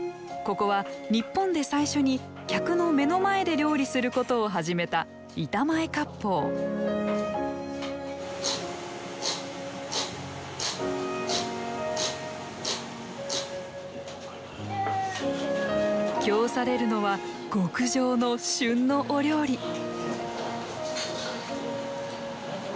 ここは日本で最初に客の目の前で料理することを始めた板前割烹されるのは極上の旬のお料理